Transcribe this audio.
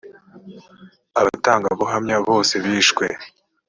abatangabuhamya bose bishwe